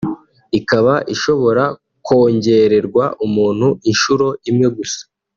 ikaba ishobora kongererwa umuntu inshuro imwe gusa